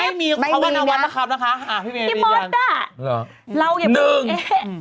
ไม่มีตอบว่านาวัดละครับนะคะ